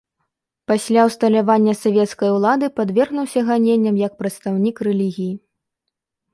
Пасля ўсталявання савецкай улады падвергнуўся ганенням як прадстаўнік рэлігіі.